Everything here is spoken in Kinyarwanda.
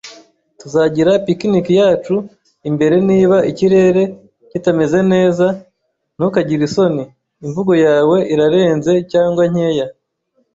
Tuzagira picnic yacu imbere niba ikirere kitameze neza. Ntukagire isoni. Imvugo yawe irarenze cyangwa nkeya.